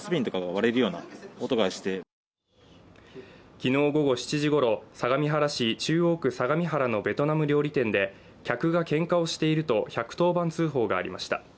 昨日午後７時ごろ、相模原市中央区相模原のベトナム料理店で客がけんかをしていると１１０番通報がありました。